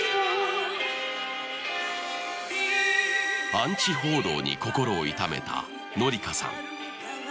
アンチ報道に心を痛めた紀香さん